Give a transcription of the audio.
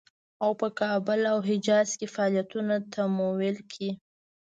او په کابل او حجاز کې فعالیتونه تمویل کړي.